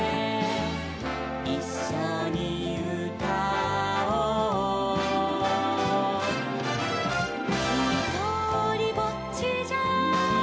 「いっしょにうたおう」「ひとりぼっちじゃ」